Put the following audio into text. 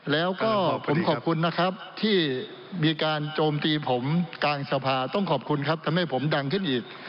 แล้วก็ผมขอบคุณนะครับที่มีการโจมตีผมกลางสภาต้องขอบคุณครับทำให้ผมดังขึ้นอีก